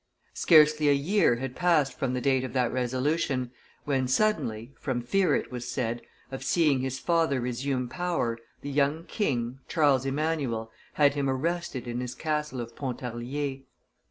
Scarcely a year had passed from the date of that resolution, when, suddenly, from fear, it was said, of seeing his father resume power, the young king, Charles Emmanuel, had him arrested in his castle of Pontarlier.